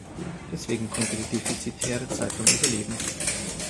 Deswegen konnte die defizitäre Zeitung überleben.